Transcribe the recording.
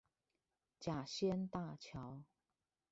甲仙大橋